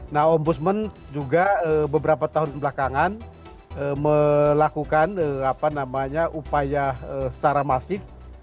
nah ombudsman juga beberapa tahun belakangan melakukan upaya secara masif